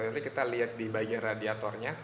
jadi kita lihat di bagian radiatornya